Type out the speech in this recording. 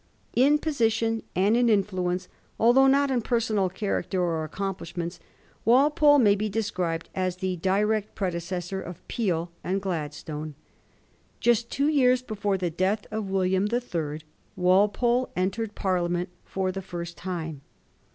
In position and in influence, although not in personal character or ac complishments, Walpole may be described as the direct predecessor of Peel and Gladstone. Just two years before the death of William the Third, Walpole entered Parliament for the first time.